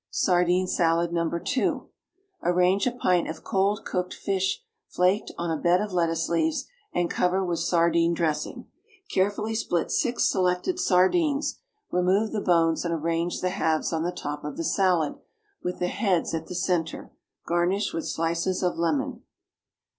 =Sardine Salad, No. 2.= Arrange a pint of cold cooked fish, flaked, on a bed of lettuce leaves and cover with sardine dressing. Carefully split six selected sardines; remove the bones and arrange the halves on the top of the salad, with the heads at the centre. Garnish with slices of lemon.